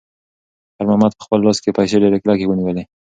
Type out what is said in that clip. خیر محمد په خپل لاس کې پیسې ډېرې کلکې ونیولې.